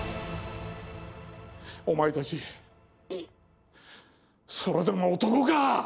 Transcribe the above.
お前たちそれでも男か！